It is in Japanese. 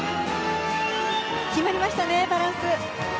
決まりましたね、バランス！